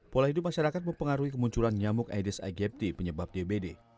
pola hidup masyarakat mempengaruhi kemunculan nyamuk aedes aegypti penyebab dbd